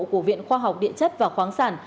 của viện khoa học điện chất và khoáng sản